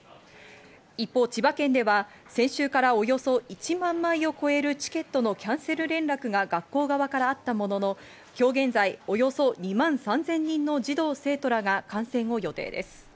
一方、千葉県では先週からおよそ１万枚を超えるチケットのキャンセル連絡が学校側からあったものの、今日現在、およそ２万３０００人の児童・生徒らが観戦を予定です。